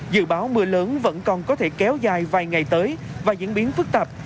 dự báo mưa lớn vẫn còn có thể kéo dài vài ngày tới và diễn biến phức tạp